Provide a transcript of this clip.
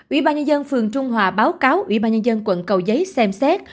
ủy ban nhân dân phường trung hòa báo cáo ủy ban nhân dân quận cầu giấy xem xét